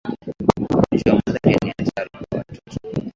ugonjwa malaria ni hatari kwa watoto